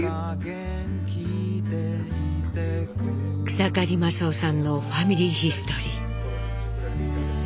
草刈正雄さんのファミリーヒストリー。